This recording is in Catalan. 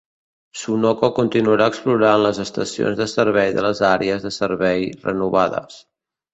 Sunoco continuarà explotant les estacions de servei de les àrees de servei renovades.